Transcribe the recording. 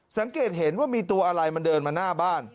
สังเกตเห็นว่ามีตัวอะไรมันเดินมาหน้าบ้าน